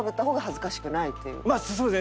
まあそうですね。